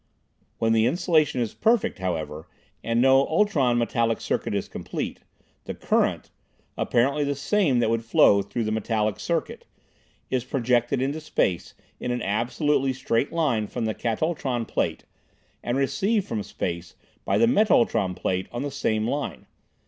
When the insulation is perfect, however, and no ultron metallic circuit is complete, the "current" (apparently the same that would flow through the metallic circuit) is projected into space in an absolutely straight line from the katultron plate, and received from space by the metultron plate on the same line.